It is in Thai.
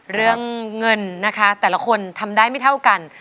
เรื่องเงินนะคะแต่ละคนทำได้ไม่เท่ากัน